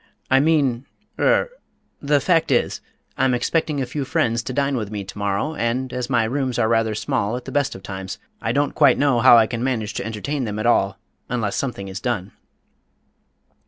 I mean er the fact is, I'm expecting a few friends to dine with me to morrow, and, as my rooms are rather small at the best of times, I don't quite know how I can manage to entertain them at all unless something is done."